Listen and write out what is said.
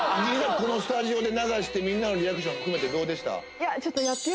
このスタジオで流してみんなのリアクション含めてどうでした？